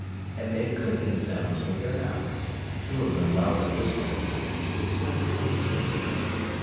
and made clicking sounds with their mouths; two of them loudly whispering, "So handsome!"